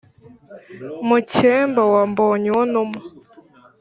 Mukemba wa Mbonyuwontuma